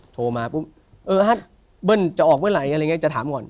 โทรมาปุ๊บเออฮัทเบิ้ลจะออกเมื่อไหร่อะไรอย่างนี้จะถามก่อน